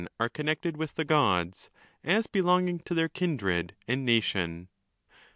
409° are connected with the Gods, as belonging to their kindred and nation. VIII.